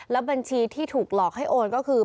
บัญชีที่ถูกหลอกให้โอนก็คือ